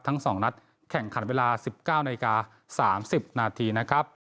ทั้ง๒นัดแข่งขันเวลา๑๙นาฬิกา๓๐นาทีนะครับ